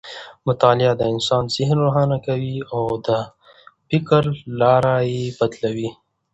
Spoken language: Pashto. مطالعه د انسان ذهن روښانه کوي او د فکر لاره یې بدلوي.